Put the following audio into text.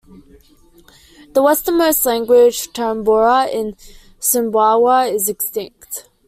The westernmost language, Tambora in Sumbawa, is extinct.